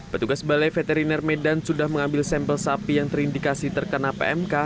petugas balai veteriner medan sudah mengambil sampel sapi yang terindikasi terkena pmk